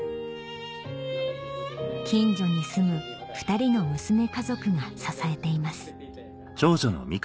近所に住む２人の娘家族が支えています